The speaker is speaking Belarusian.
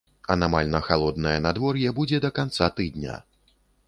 Анамальна халоднае надвор'е будзе да канца тыдня.